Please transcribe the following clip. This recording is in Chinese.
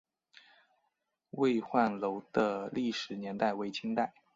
巍焕楼的历史年代为清代。